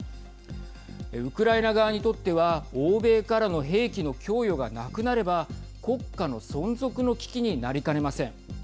ウクライナ側にとっては欧米からの兵器の供与がなくなれば国家の存続の危機になりかねません。